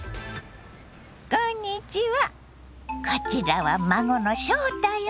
こんにちはこちらは孫の翔太よ。